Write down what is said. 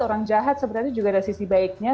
orang jahat sebenarnya juga ada sisi baiknya